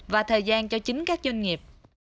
và thời gian cho chính các doanh nghiệp